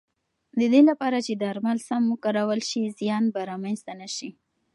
د دې لپاره چې درمل سم وکارول شي، زیان به رامنځته نه شي.